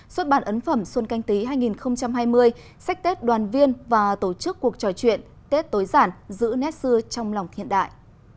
xuất bản ấn phẩm xuân canh tí hai nghìn hai mươi sách tết đoàn viên và tổ chức cuộc trò chuyện tết tối giản giữ nét xưa trong lòng hiện đại